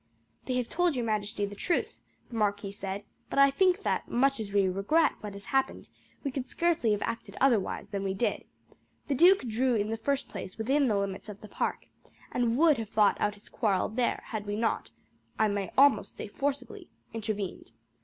"They have told your majesty the truth," the marquis said; "but I think that, much as we regret what has happened, we could scarcely have acted otherwise than we did. The duke drew in the first place within the limits of the park, and would have fought out his quarrel there had we not, I may almost say forcibly, intervened.